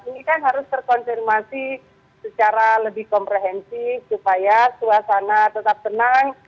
ini kan harus terkonfirmasi secara lebih komprehensif supaya suasana tetap tenang